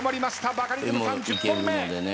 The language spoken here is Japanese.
バカリズムさん１０本目！